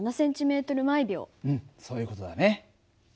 うんそういう事だね。